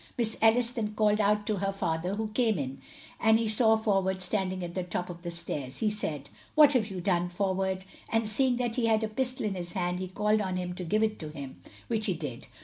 Miss Ellis then called out to her father, who came in, and he saw Forward standing at the top of the stairs. He said, "What have you done, Forward?" and seeing that he had a pistol in his hand he called on him to give it him, which he did.